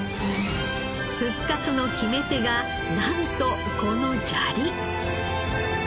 復活の決め手がなんとこの砂利！？